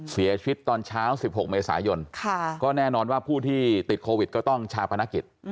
เสียชีวิตตอนเช้า๑๖เมษายนก็แน่นอนว่าผู้ที่ติดโควิดก็ต้องชาปนกิจ